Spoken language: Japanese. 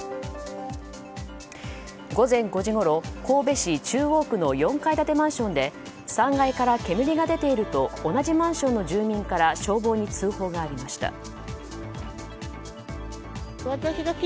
午前５時ごろ神戸市中央区の４階建てマンションで３階から煙が出ていると同じマンションの住人から消防に通報がありました。